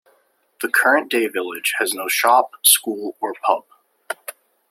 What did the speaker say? The current-day village has no shop, school, or pub.